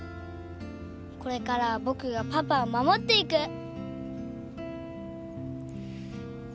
これからは僕がパパを守っていく！